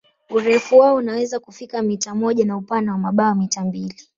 Urefu wao unaweza kufika mita moja na upana wa mabawa mita mbili.